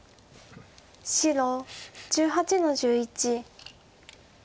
白１８の十一。